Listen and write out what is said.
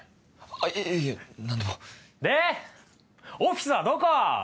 あっいえ何でもでオフィスはどこ？